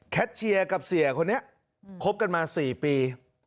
เชียร์กับเสียคนนี้คบกันมา๔ปี